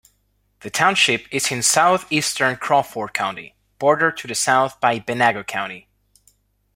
The township is in southeastern Crawford County, bordered to the south by Venango County.